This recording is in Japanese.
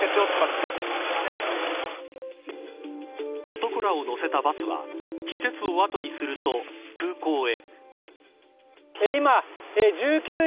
男らを乗せたバスは施設を後にすると空港へ。